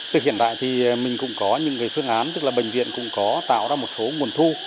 từ hiện tại thì mình cũng có những phương án tức là bệnh viện cũng có tạo ra một số nguồn thu